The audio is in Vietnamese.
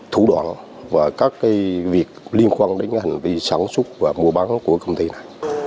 thu đoán và các việc liên quan đến hành vi sản xuất và mua bán của công ty này